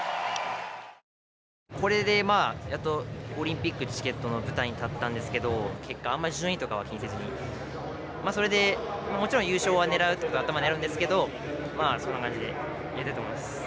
これでやっとオリンピックチケットの舞台に立ったんですけどあんまり順位とかは気にせずにそれで、もちろん優勝を狙うというのは頭にあるんですけどそんな感じでやりたいと思います。